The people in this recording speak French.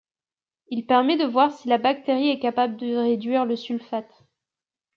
Il permet de voir si la bactérie est capable de réduire le sulfate.